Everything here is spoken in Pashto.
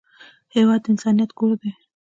هېواد د انسانیت کور دی.